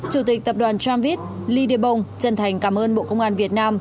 chủ tịch tập đoàn tramvit ly đê bông chân thành cảm ơn bộ công an việt nam